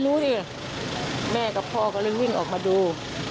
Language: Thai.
รู้ดิแม่กับพ่อก็เลยวิ่งออกมาดู